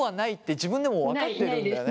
自分でも分かってるんだよね。